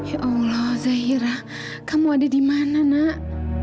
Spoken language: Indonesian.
ya allah zahira kamu ada di mana nak